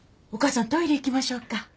お母さんトイレ行きましょうか。